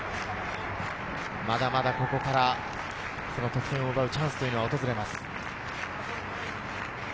まだまだここから、得点を奪うチャンスは訪れます。